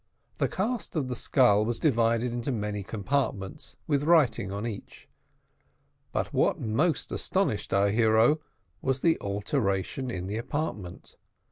The cast of the skull was divided into many compartments, with writing on each; but what most astonished our hero was the alteration in the apartment.